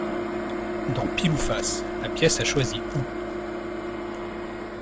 Dans « pile ou face », la pièce a choisi « ou ».